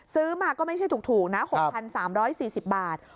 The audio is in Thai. ซื้อมาก็ไม่ใช่ถูกนะ๖๓๔๐บาท